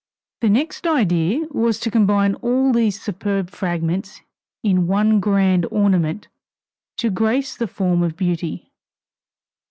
The next idea was to combine all these superb fragments in one grand ornament to grace the form of beauty.